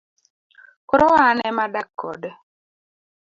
koro an ema adak kode